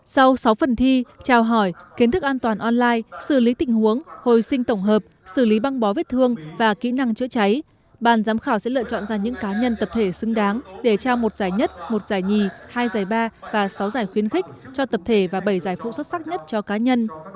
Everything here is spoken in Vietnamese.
sau sáu phần thi trao hỏi kiến thức an toàn online xử lý tình huống hồi sinh tổng hợp xử lý băng bó vết thương và kỹ năng chữa cháy ban giám khảo sẽ lựa chọn ra những cá nhân tập thể xứng đáng để trao một giải nhất một giải nhì hai giải ba và sáu giải khuyến khích cho tập thể và bảy giải phụ xuất sắc nhất cho cá nhân